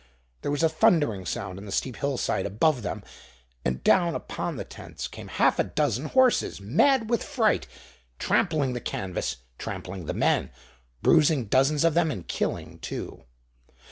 There was a thundering sound on the steep hillside above them, and down upon the tents came half a dozen horses, mad with fright, trampling the canvas, trampling the men, bruising dozens of them and killing two.